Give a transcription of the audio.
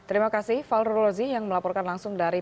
baik terima kasih valro rozi yang melaporkan langsung dari